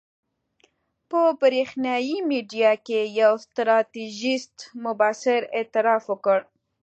په برېښنایي میډیا کې یو ستراتیژیست مبصر اعتراف وکړ.